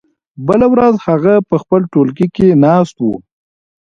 بله ورځ هغه په خپل ټولګي کې ناست و.